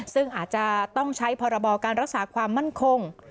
ซึ่งอาจจะต้องใช้พรบการรักษาความมั่นคง